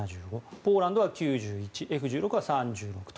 ポーランドは９１Ｆ１６は３６と。